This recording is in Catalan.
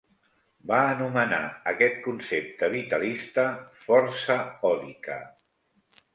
Va anomenar aquest concepte vitalista "força òdica".